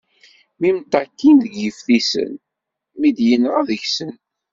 Mi mṭakin deg yeftisen, mi d-yenɣa deg-sen.